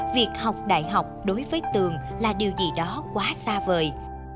việc học đại học đối với tường là điều gì đó quá xa vời